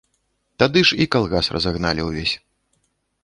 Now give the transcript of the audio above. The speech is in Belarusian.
Тады ж і калгас разагналі ўвесь.